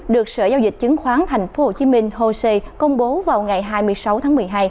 được sở giao dịch chứng khoán tp hcm hosea công bố vào ngày hai mươi sáu tháng một mươi hai